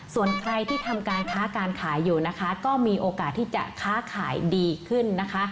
ส่วนใครที่ทำการค้าการขายอยู่นะคะก็มีโอกาสที่จะค้าขายดีขึ้นนะคะ